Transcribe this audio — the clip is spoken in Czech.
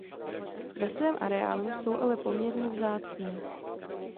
Ve svém areálu jsou ale poměrně vzácné.